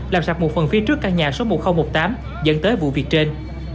làm sập một phần phía trước căn nhà số một nghìn một mươi tám dẫn tới vụ việc trên